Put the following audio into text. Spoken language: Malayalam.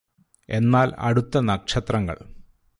എന്നാല് അടുത്ത നക്ഷത്രങ്ങൾ